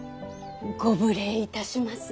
ご無礼いたします。